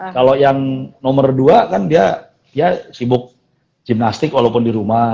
kalau yang nomor dua kan dia sibuk gimnastik walaupun di rumah